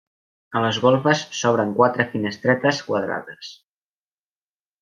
A les golfes s'obren quatre finestretes quadrades.